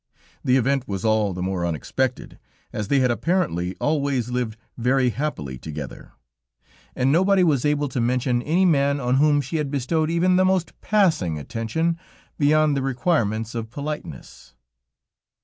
The event was all the more unexpected, as they had apparently always lived very happily together, and nobody was able to mention any man on whom she had bestowed even the most passing attention, beyond the requirements of politeness.